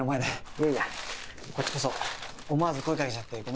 いやいやこっちこそ思わず声掛けちゃってごめんね。